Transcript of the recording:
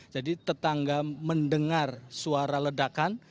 jadi tetangga mendengar suara ledakan